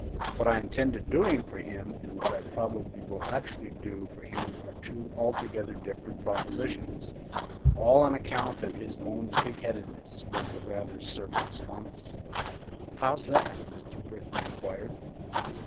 "What I intended doing for him and what I probably will actually do for him are two altogether different propositions all on account of his own pig headedness," was the rather surly response. "How's that?" Mr. Britton inquired.